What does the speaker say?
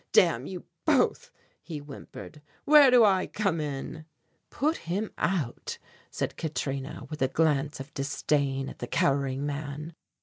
"Damn you both," he whimpered; "where do I come in?" "Put him out," said Katrina, with a glance of disdain at the cowering man.